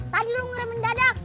tadi lu ngeliat mendadak